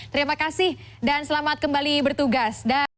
terima kasih dan selamat kembali bertugas